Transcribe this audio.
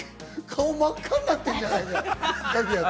顔、真っ赤になってんじゃねえか。